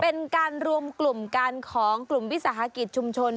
เป็นการรวมกลุ่มกันของกลุ่มวิสาหกิจชุมชน